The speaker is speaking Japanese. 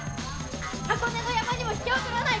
箱根の山にも引けをとらない